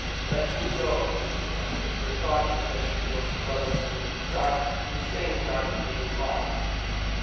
'Let me know,' said her father, 'if your thoughts present your guilty brother in the same dark view as mine.